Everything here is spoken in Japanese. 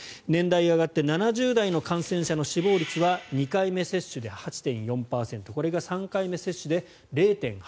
年代が上がって７０代の感染者の死亡率は２回目接種で８．４％これが３回目接種で０．８％